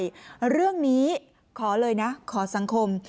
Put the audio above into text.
เรื่องนี้ขอเลยนะขอสังคม